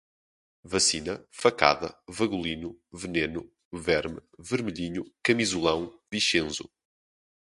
vacina, facada, vagolino, veneno, verme, vermelhinho, camisolão, vichenzo